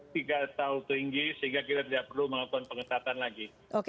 kita bisa lakukan peningkatan lagi